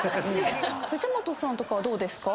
藤本さんとかはどうですか？